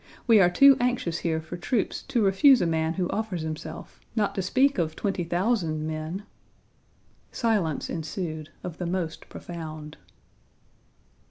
We are too anxious here for troops to refuse a man who offers himself, not to speak of 20,000 men." Silence ensued of the most profound.